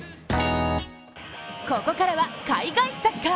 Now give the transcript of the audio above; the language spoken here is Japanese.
ここからは海外サッカー。